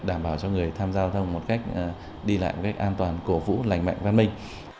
đảm bảo cho người tham gia giao thông một cách đi lại một cách an toàn cổ vũ lành mạnh văn minh